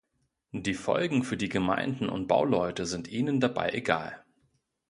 Die Folgen für die Gemeinden und Bauleute sind ihnen dabei egal.